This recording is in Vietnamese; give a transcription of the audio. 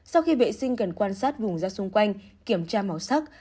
sau khi vệ sinh cần quan sát vùng ra xung quanh kiểm tra màu sắc